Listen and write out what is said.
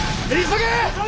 急げ！